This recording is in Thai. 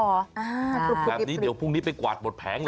แบบนี้เดี๋ยวพรุ่งนี้ไปกวาดหมดแผงเลย